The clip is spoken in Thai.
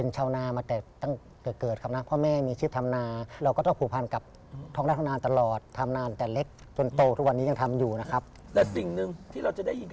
แสดงว่าคุ้นเคยกับท้องไร่ท้องนาดี